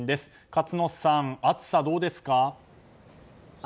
勝野さん、暑さどうですか。